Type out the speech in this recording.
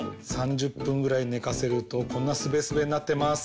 ３０ぷんぐらいねかせるとこんなすべすべになってます。